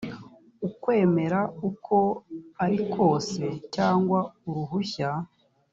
ukwemera uko ariko kose cyangwa uruhushya